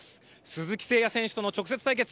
鈴木誠也選手との直接対決。